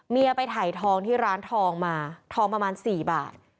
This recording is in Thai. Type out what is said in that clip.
ไปถ่ายทองที่ร้านทองมาทองประมาณ๔บาท